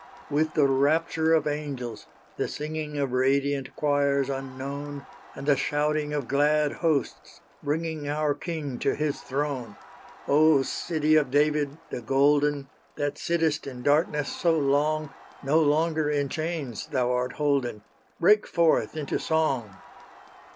With the rapture of angels, the singing Of radiant choirs unknown, And the shouting of glad hosts bringing Our King to His throne! O City of David, the Golden, That sittest in darkness so long, No longer in chains thou art holden, Break forth into song!